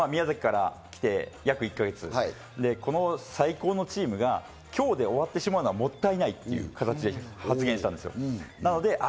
宮崎から来て約１か月、この最高のチームが今日で終わってしまうのはもったいないっていう形で発言したんです。